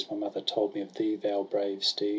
My mother told me of thee, thou brave steed.